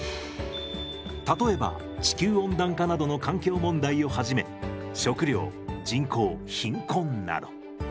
例えば地球温暖化などの環境問題をはじめ食糧人口貧困など。